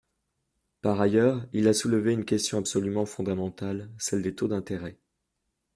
Par ailleurs, il a soulevé une question absolument fondamentale, celle des taux d’intérêt.